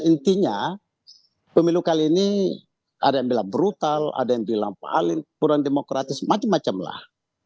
intinya pemilu kali ini ada yang bilang brutal ada yang bilang paling kurang demokratis macam macam lah